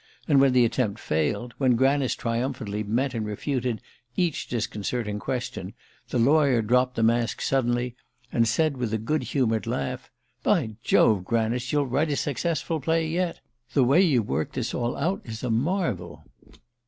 And when the attempt failed, when Granice triumphantly met and refuted each disconcerting question, the lawyer dropped the mask suddenly, and said with a good humoured laugh: "By Jove, Granice you'll write a successful play yet. The way you've worked this all out is a marvel."